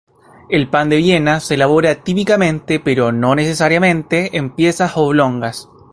El pan de Viena se elabora típica pero no necesariamente en piezas oblongas.